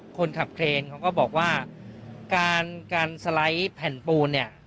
คนขับเครนเขาก็บอกว่าการการสไลด์แผ่นปูนเนี่ย